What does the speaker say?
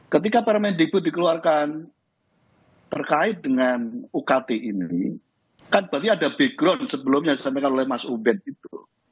ketika permendikbud dikeluarkan terkait dengan ukt ini kan berarti ada background sebelumnya yang disampaikan oleh mas ubed itu